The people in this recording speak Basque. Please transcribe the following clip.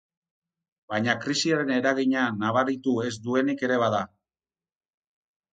Baina krisiaren eragina nabaritu ez duenik ere bada.